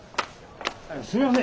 すみません。